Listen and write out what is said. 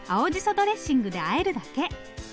ドレッシングであえるだけ。